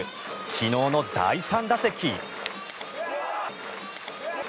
昨日の第３打席。